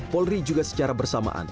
polri juga secara bersamaan